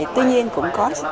tuy nhiên cũng có tập trung